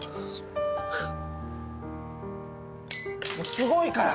すごいから！